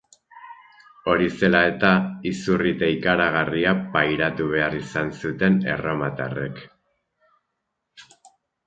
Hori zela eta, izurrite ikaragarria pairatu behar izan zuten erromatarrek.